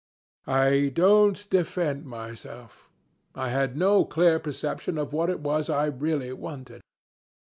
I don't defend myself. I had no clear perception of what it was I really wanted.